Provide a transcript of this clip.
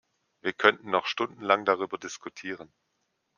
Wir könnten noch stundenlang darüber diskutieren.